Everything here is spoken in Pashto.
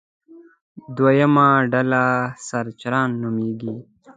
دوهمه ډله سرچران نومېږي.